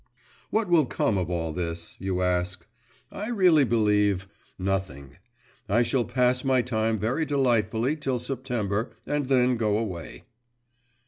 What will come of all this? you ask. I really believe nothing. I shall pass my time very delightfully till September and then go away.